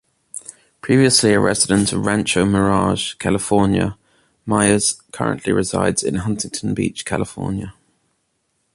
Previously a resident of Rancho Mirage, California, Meyers currently resides in Huntington Beach, California.